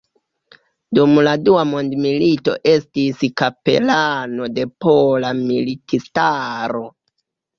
Dum la dua mondmilito estis kapelano de Pola Militistaro.